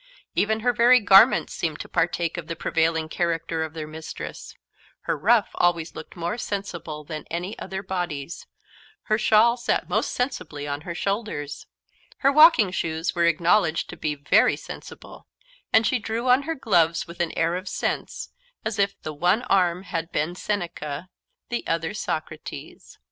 Even her very garments seemed to partake of the prevailing character of their mistress: her ruff always looked more sensible than any other body's; her shawl sat most sensibly on her shoulders; her walking shoes were acknowledged to be very sensible; and she drew on her gloves with an air of sense, as if the one arm had been Seneca, the other Socrates.